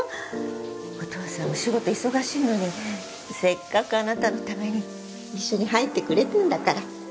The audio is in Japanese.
お父さんお仕事忙しいのにせっかくあなたのために一緒に入ってくれてるんだから。